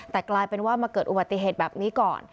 แต่กลายเป็นว่ามาเกิดอุบัติเหตุแบบนี้ก่อน